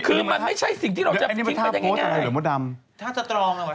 คือมันไม่ใช่สิ่งที่เราจะชิมมายังไง